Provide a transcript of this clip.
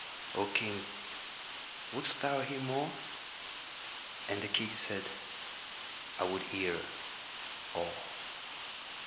"O King, wouldst thou hear more?" And the King said: "I would hear all."